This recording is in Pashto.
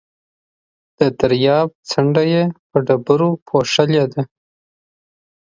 د درياب څنډه يې په ډبرو پوښلې ده.